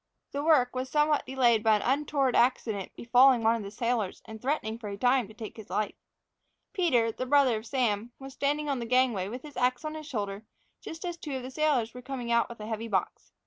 The work was somewhat delayed by an untoward accident befalling one of the sailors, and threatening for a time to take his life. Peter, the brother of Sam, was standing on the gangway, with his ax on his shoulder, just as two of the sailors were coming out with a heavy box.